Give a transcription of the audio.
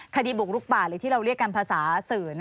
คดีบุกลุกป่าหรือที่เราเรียกกันภาษาสื่อ